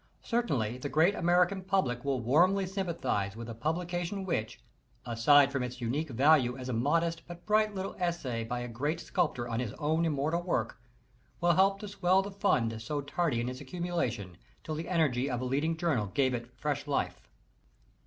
Certainly the great American public will warmly sympathize \nth a publication which, aside from its unique value as a modest but bright little essay by a great sculptor on his own immortal work, will help to swell the fund so tardy in its accumulation, till the energy of a leading journal gave it fresh life.